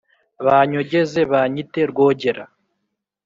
banyogeze banyite rwogera